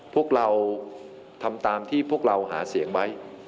พวกเราทำตามที่พวกเราหาเสียงไว้